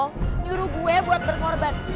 nyuruh gue buat berkorban